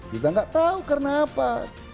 kita gak tahu karena apa